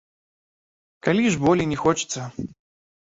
Калі ж болей не хочацца.